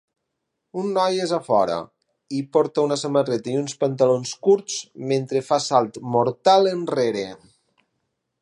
Un noi és a fora i porta una samarreta i uns pantalons curts mentre fa salt mortal enrere.